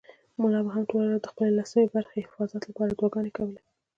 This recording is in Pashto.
ملا به هم ټوله ورځ د خپلې لسمې برخې حفاظت لپاره دعاګانې کولې.